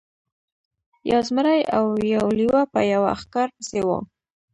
یو زمری او یو لیوه په یوه ښکار پسې وو.